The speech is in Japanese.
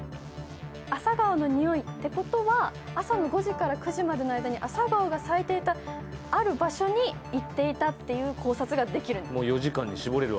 アサガオのにおいってことは、朝の５時から９時までの間にアサガオが咲いていたある場所に行っていたという考察ができる。